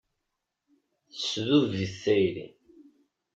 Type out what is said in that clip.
Tesdub-it tayri.